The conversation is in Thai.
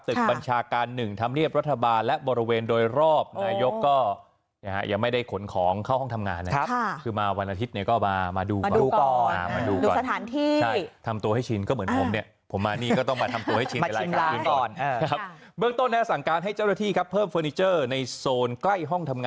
บัญชาการหนึ่งธรรมเนียบรัฐบาลและบริเวณโดยรอบนายกก็เนี่ยยังไม่ได้ขนของเข้าห้องทำงานนะครับคือมาวันอาทิตย์เนี่ยก็มาดูก่อนมาดูก่อนสถานที่ใช่ทำตัวให้ชินก็เหมือนผมเนี่ยผมมานี่ก็ต้องมาทำตัวให้ชินเวลากลางคืนก่อนครับเบื้องต้นนะสั่งการให้เจ้าหน้าที่ครับเพิ่มเฟอร์นิเจอร์ในโซนใกล้ห้อง